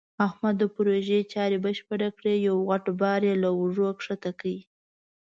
احمد د پروژې چارې بشپړې کړې. یو غټ بار یې له اوږو ښکته کړ.